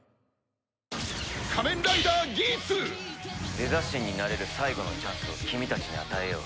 デザ神になれる最後のチャンスを君たちに与えよう。